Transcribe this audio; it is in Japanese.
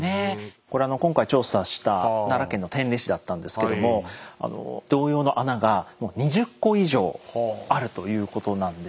これあの今回調査した奈良県の天理市だったんですけども同様の穴が２０個以上あるということなんですよ。